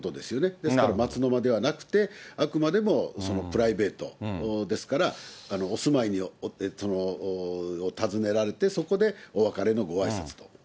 ですから、松の間ではなくて、あくまでもプライベートですから、お住まいを訪ねられて、そこでお別れのごあいさつと。